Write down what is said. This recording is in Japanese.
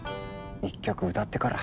一曲歌ってから。